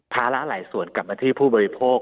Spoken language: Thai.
ภาระหลายส่วนกลับมาที่ผู้บริโภค